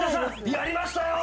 やりましたよ！